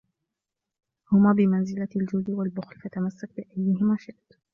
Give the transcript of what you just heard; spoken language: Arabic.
هُمَا بِمَنْزِلَةِ الْجُودِ وَالْبُخْلِ فَتَمَسَّكْ بِأَيِّهِمَا شِئْتَ